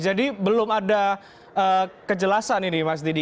jadi belum ada kejelasan ini mas didi